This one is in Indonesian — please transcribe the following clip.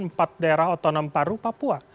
empat daerah otonom paru papua